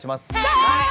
はい！